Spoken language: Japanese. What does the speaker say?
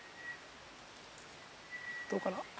どうかな？